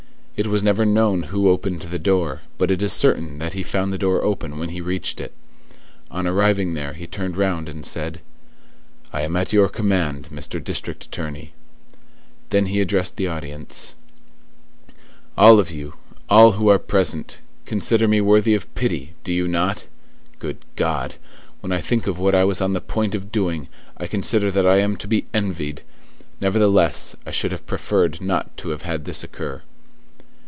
It was never known who opened the door, but it is certain that he found the door open when he reached it. On arriving there he turned round and said:— "I am at your command, Mr. District Attorney." Then he addressed the audience:— "All of you, all who are present—consider me worthy of pity, do you not? Good God! When I think of what I was on the point of doing, I consider that I am to be envied. Nevertheless, I should have preferred not to have had this occur."